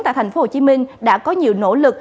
tại tp hcm đã có nhiều nỗ lực